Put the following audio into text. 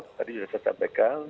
tadi sudah saya sampaikan